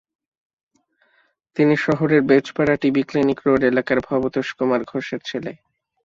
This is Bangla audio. তিনি শহরের বেজপাড়া টিবি ক্লিনিক রোড এলাকার ভবতোষ কুমার ঘোষের ছেলে।